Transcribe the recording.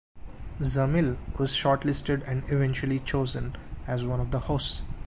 Zamil was shortlisted and eventually chosen as one of the hosts.